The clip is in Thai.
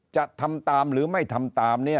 จะทำตามหรือไม่ทำตามเนี่ย